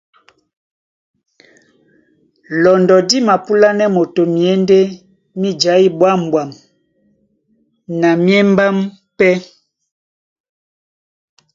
Lɔndɔ dí mapúlánɛ́ moto myěndé mí jaí ɓwâmɓwam na mí émbám pɛ́.